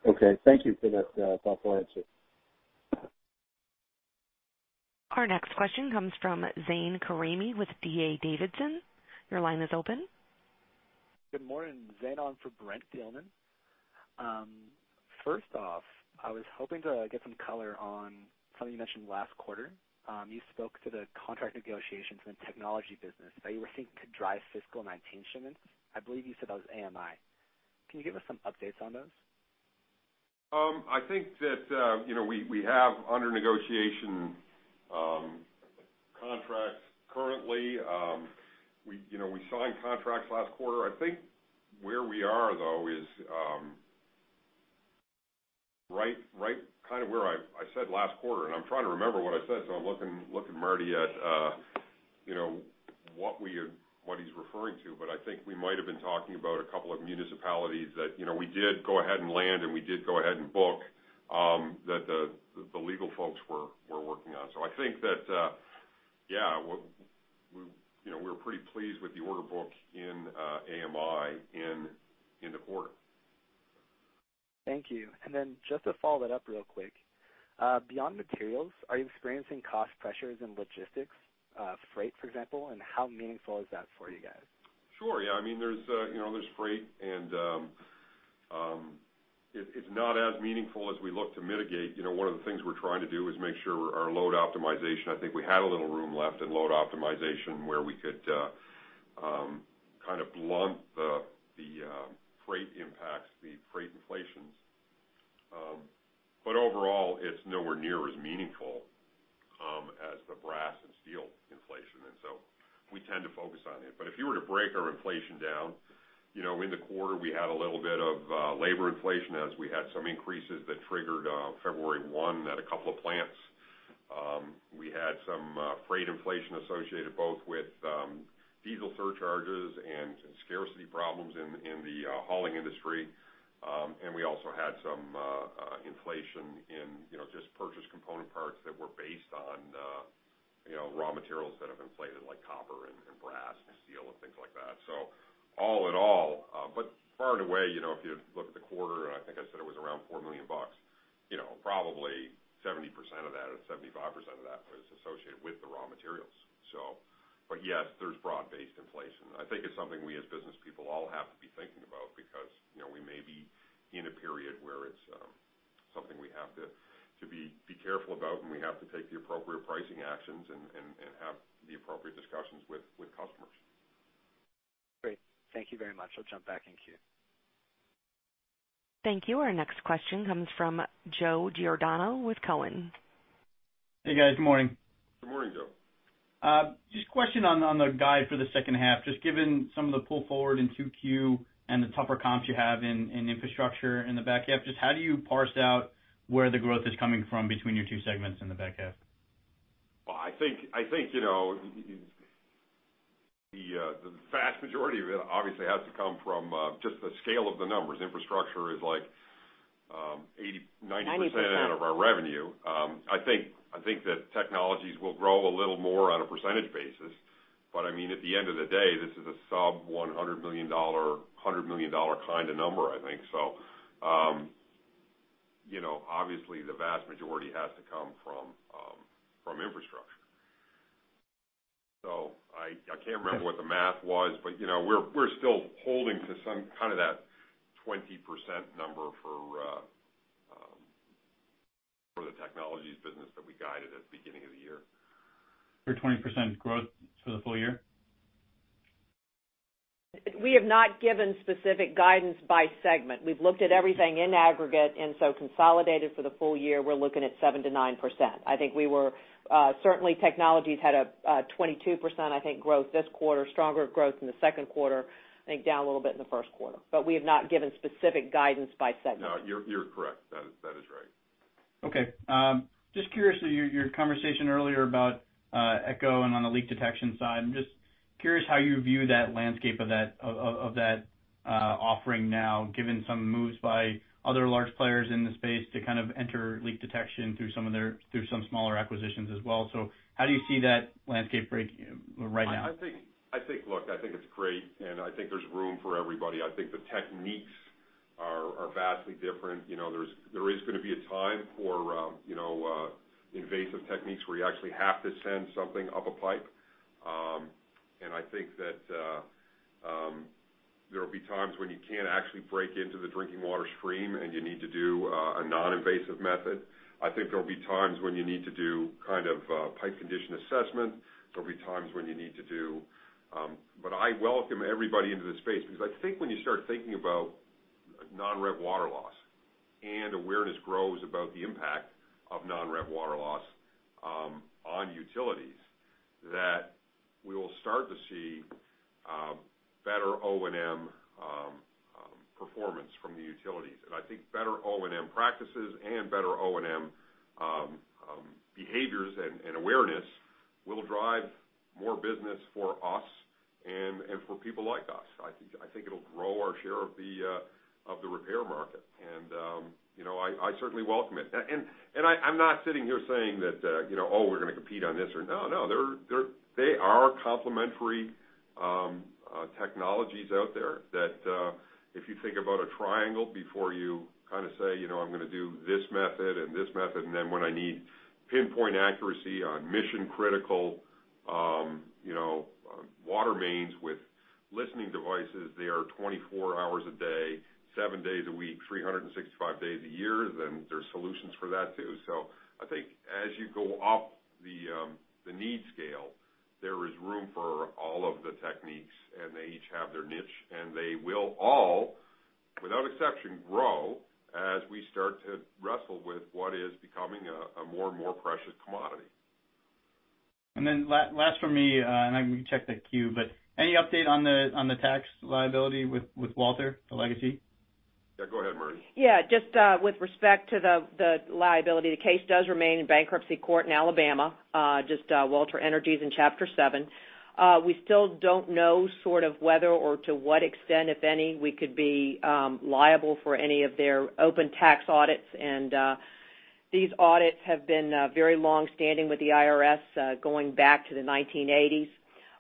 Okay. Thank you for that thoughtful answer. Our next question comes from Zane Karimi with D.A. Davidson. Your line is open. Good morning. Zane on for Brent Thielman. First off, I was hoping to get some color on something you mentioned last quarter. You spoke to the contract negotiations in the technology business that you were thinking could drive fiscal 2019 shipments. I believe you said that was AMI. Can you give us some updates on those? I think that we have under negotiation contracts currently. We signed contracts last quarter. I think where we are though is right where I said last quarter, and I'm trying to remember what I said, so I'm looking, Martie, at what he's referring to, but I think we might have been talking about a couple of municipalities that we did go ahead and land, and we did go ahead and book, that the legal folks were working on. I think that, yeah, we're pretty pleased with the order book in AMI in the quarter. Thank you. Then just to follow that up real quick, beyond materials, are you experiencing cost pressures in logistics, freight, for example? How meaningful is that for you guys? Sure. Yeah, there's freight, it's not as meaningful as we look to mitigate. One of the things we're trying to do is make sure our load optimization, I think we had a little room left in load optimization where we could blunt the freight impacts, the freight inflations. Overall, it's nowhere near as meaningful as the brass and steel inflation, we tend to focus on it. If you were to break our inflation down, in the quarter, we had a little bit of labor inflation as we had some increases that triggered February 1 at a couple of plants. We had some freight inflation associated both with diesel surcharges and scarcity problems in the hauling industry. We also had some inflation in just purchased component parts that were based on raw materials that have inflated, like copper and brass and steel and things like that. All in all, but far and away, if you look at the quarter, I think I said it was around $4 million, probably 70% of that or 75% of that was associated with the raw materials. Yes, there's broad-based inflation. I think it's something we as business people all have to be thinking about because we may be in a period where it's something we have to be careful about, we have to take the appropriate pricing actions and have the appropriate discussions with customers. Great. Thank you very much. I'll jump back in queue. Thank you. Our next question comes from Joe Giordano with Cowen. Hey, guys. Good morning. Good morning, Joe. Just a question on the guide for the second half, just given some of the pull forward in 2Q and the tougher comps you have in infrastructure in the back half, just how do you parse out where the growth is coming from between your two segments in the back half? Well, I think the vast majority of it obviously has to come from just the scale of the numbers. Infrastructure is like 80%-90% of our revenue. I think that technologies will grow a little more on a percentage basis. At the end of the day, this is a sub-$100 million, $100 million kind of number, I think. Obviously the vast majority has to come from infrastructure. I can't remember what the math was, but we're still holding to some kind of that 20% number for the technologies business that we guided at the beginning of the year. Your 20% growth for the full year? We have not given specific guidance by segment. We've looked at everything in aggregate, consolidated for the full year, we're looking at 7%-9%. I think certainly technologies had a 22%, I think, growth this quarter, stronger growth in the second quarter, I think down a little bit in the first quarter. We have not given specific guidance by segment. No, you're correct. That is right. Okay. Just curious, your conversation earlier about Echo and on the leak detection side, I'm just curious how you view that landscape of that offering now, given some moves by other large players in the space to kind of enter leak detection through some smaller acquisitions as well. How do you see that landscape breaking right now? Look, I think it's great, and I think there's room for everybody. I think the techniques are vastly different. There is going to be a time for invasive techniques where you actually have to send something up a pipe. I think that there will be times when you can't actually break into the drinking water stream and you need to do a non-invasive method. I think there will be times when you need to do pipe condition assessment. I welcome everybody into the space, because I think when you start thinking about non-rev water loss, and awareness grows about the impact of non-rev water loss on utilities, that we will start to see better O&M performance from the utilities. I think better O&M practices and better O&M behaviors and awareness will drive more business for us and for people like us. I think it'll grow our share of the repair market. I certainly welcome it. I'm not sitting here saying that, "Oh, we're going to compete on this or" No, there are complementary technologies out there that if you think about a triangle before you kind of say, "I'm going to do this method and this method," and then when I need pinpoint accuracy on mission-critical water mains with listening devices, they are 24 hours a day, 7 days a week, 365 days a year, then there's solutions for that too. I think as you go up the need scale, there is room for all of the techniques, and they each have their niche, and they will all, without exception, grow as we start to wrestle with what is becoming a more and more precious commodity. Last from me, then we can check the queue, any update on the tax liability with Walter, the legacy? Yeah, go ahead, Martie. Just with respect to the liability, the case does remain in bankruptcy court in Alabama, just Walter Energy's in Chapter 7. We still don't know sort of whether or to what extent, if any, we could be liable for any of their open tax audits. These audits have been very long-standing with the IRS, going back to the 1980s.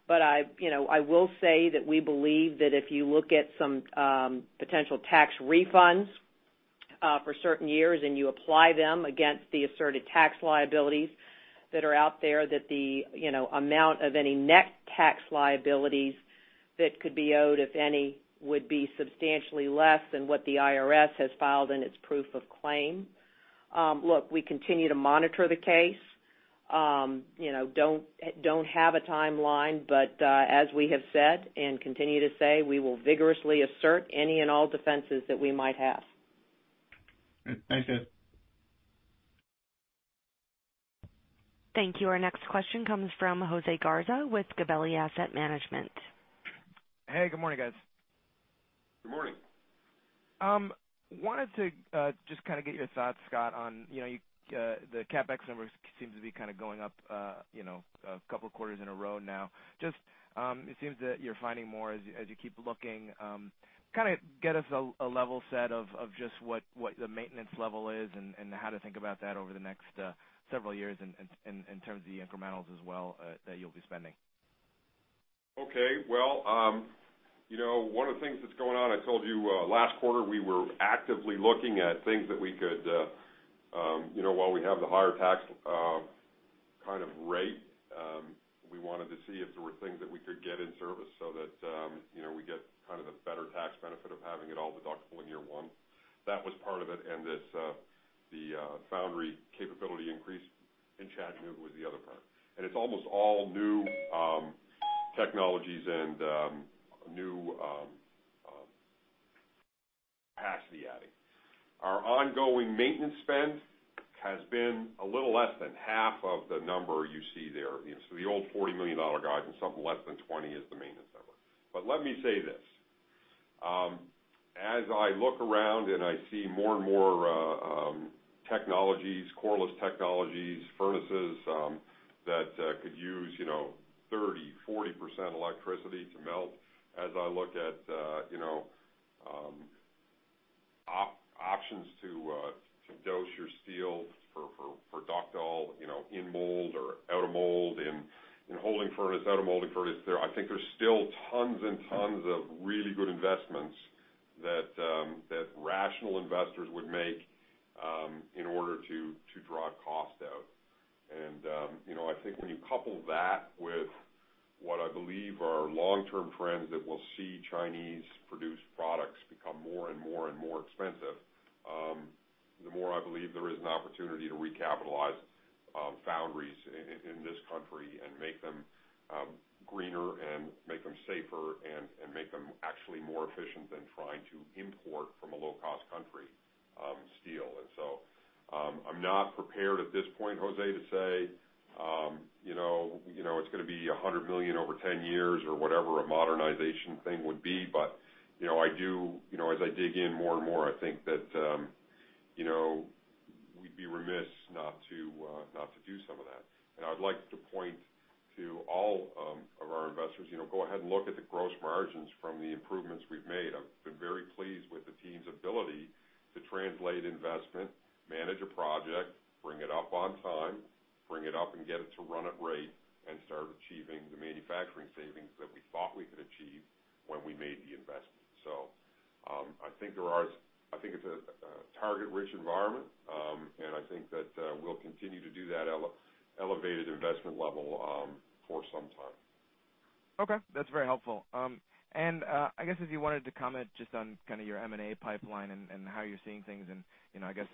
I will say that we believe that if you look at some potential tax refunds for certain years, and you apply them against the asserted tax liabilities that are out there, that the amount of any net tax liabilities that could be owed, if any, would be substantially less than what the IRS has filed in its proof of claim. We continue to monitor the case. Don't have a timeline, but, as we have said and continue to say, we will vigorously assert any and all defenses that we might have. Thanks, guys. Thank you. Our next question comes from Jose Garza with Gabelli Asset Management. Hey, good morning, guys. Good morning. It seems that you're finding more as you keep looking. Kind of get us a level set of just what the maintenance level is and how to think about that over the next several years in terms of the incrementals as well that you'll be spending. Okay. Well, one of the things that's going on, I told you last quarter, we were actively looking at things that while we have the higher tax kind of rate, we wanted to see if there were things that we could get in service so that we get kind of the better tax benefit of having it all deductible in year one. That was part of it. The foundry capability increase in Chattanooga was the other part. It's almost all new technologies and new capacity adding. Our ongoing maintenance spend has been a little less than half of the number you see there. The old $40 million guide and something less than 20 is the maintenance number. Let me say this. As I look around and I see more and more technologies, coreless technologies, furnaces that could use 30%, 40% electricity to melt, as I look at options to dose your steel for ductile in mold or out of mold, in holding furnace, out of holding furnace, I think there's still tons and tons of really good investments that rational investors would make in order to draw cost out. I think when you couple that with what I believe are long-term trends, that we'll see Chinese-produced products become more and more and more expensive, the more I believe there is an opportunity to recapitalize foundries in this country and make them greener and make them safer and make them actually more efficient than trying to import steel from a low-cost country. I'm not prepared at this point, Jose Garza, to say, it's going to be $100 million over 10 years or whatever a modernization thing would be. As I dig in more and more, I think that we'd be remiss not to do some of that. I would like to point to all of our investors, go ahead and look at the gross margins from the improvements we've made. I've been very pleased with the team's ability to translate investment, manage a project, bring it up on time, bring it up and get it to run at rate, and start achieving the manufacturing savings that we thought we could achieve when we made the investment. I think it's a target-rich environment, and I think that we'll continue to do that elevated investment level for some time. Okay. That's very helpful. I guess if you wanted to comment just on kind of your M&A pipeline and how you're seeing things and, I guess,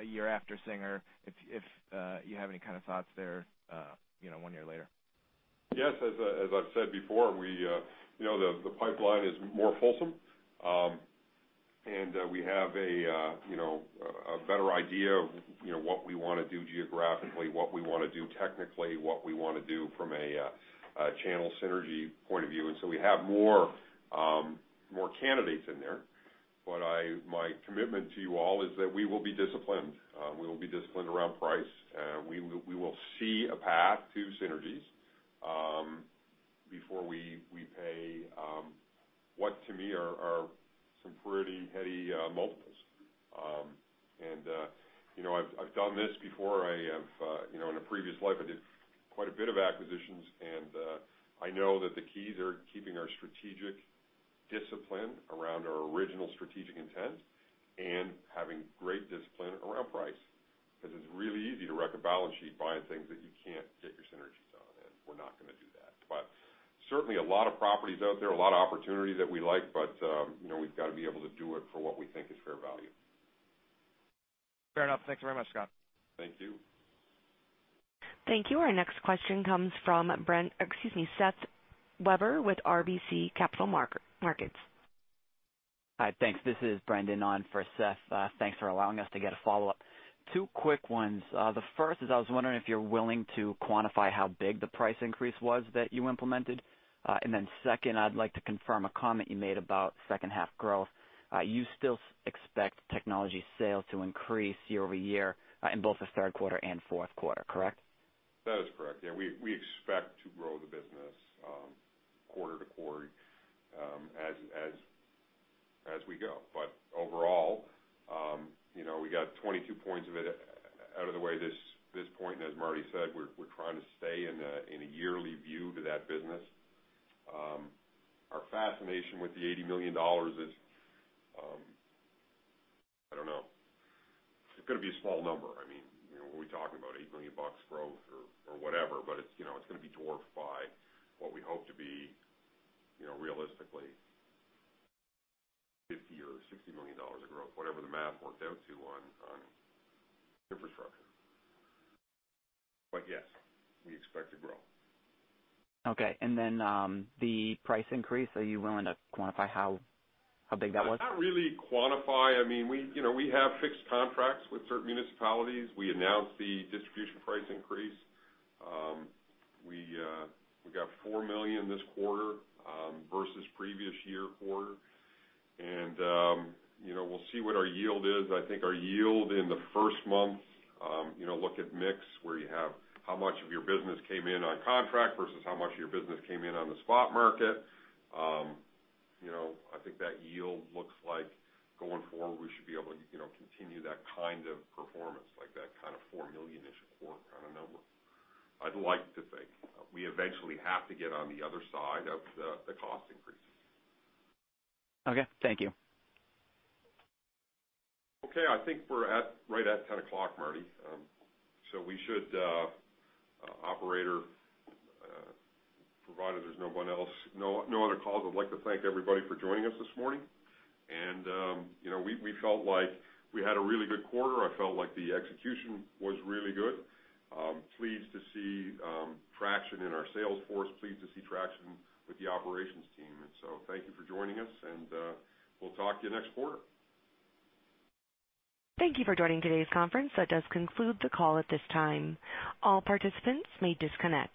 a year after Singer Valve, if you have any kind of thoughts there one year later. Yes, as I've said before, the pipeline is more fulsome. We have a better idea of what we want to do geographically, what we want to do technically, what we want to do from a channel synergy point of view, we have more candidates in there. My commitment to you all is that we will be disciplined. We will be disciplined around price. We will see a path to synergies before we pay, what to me are some pretty heady multiples. I've done this before. In a previous life, I did quite a bit of acquisitions, and I know that the keys are keeping our strategic discipline around our original strategic intent and having great discipline around price, because it's really easy to wreck a balance sheet buying things that you can't get your synergies on, and we're not going to do that. Certainly a lot of properties out there, a lot of opportunities that we like, but we've got to be able to do it for what we think is fair value. Fair enough. Thank you very much, Scott. Thank you. Thank you. Our next question comes from Seth Weber with RBC Capital Markets. Hi, thanks. This is Brendan on for Seth. Thanks for allowing us to get a follow-up. Two quick ones. The first is I was wondering if you're willing to quantify how big the price increase was that you implemented. Second, I'd like to confirm a comment you made about second half growth. You still expect technology sales to increase year-over-year in both the third quarter and fourth quarter, correct? That is correct. Yeah, we expect to grow the business quarter to quarter as we go. Overall, we got 22 points of it out of the way this point, and as Marti said, we're trying to stay in a yearly view to that business. Our fascination with the $80 million is, I don't know, it's going to be a small number. We're talking about $8 million growth or whatever, but it's going to be dwarfed by what we hope to be realistically $50 million or $60 million of growth, whatever the math worked out to on infrastructure. Yes, we expect to grow. Okay. Then the price increase, are you willing to quantify how big that was? Not really quantify. We have fixed contracts with certain municipalities. We announced the distribution price increase. We got $4 million this quarter versus the previous year quarter. We'll see what our yield is. I think our yield in the first month, look at mix where you have how much of your business came in on contract versus how much of your business came in on the spot market. I think that yield looks like going forward, we should be able to continue that kind of performance, like that kind of $4 million-ish a quarter kind of number. I'd like to think. We eventually have to get on the other side of the cost increases. Okay. Thank you. I think we're right at 10:00 A.M., Martie. Operator, provided there's no other calls, I'd like to thank everybody for joining us this morning. We felt like we had a really good quarter. I felt like the execution was really good. Pleased to see traction in our sales force, pleased to see traction with the operations team. Thank you for joining us and we'll talk to you next quarter. Thank you for joining today's conference. That does conclude the call at this time. All participants may disconnect.